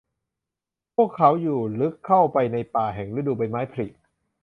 พวกเขาอยู่ลึกเข้าไปในป่าแห่งฤดูใบไม้ผลิ